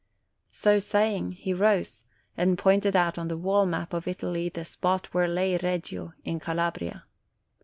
So saying, he rose and pointed out on the wall map of Italy the spot where lay Reggio, in Calabria.